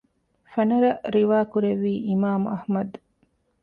ފަނަރަ ރިވާކުރެއްވީ އިމާމު އަޙްމަދު